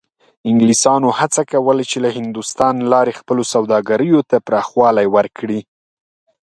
انګلیسانو هڅه کوله چې له هندوستان لارې خپلو سوداګریو ته پراخوالی ورکړي.